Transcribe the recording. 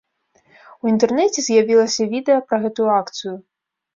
У інтэрнэце з'явілася відэа пра гэтую акцыю.